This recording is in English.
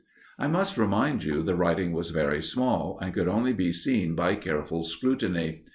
I must tell you the writing was very small, and could only be seen by careful scrutiny.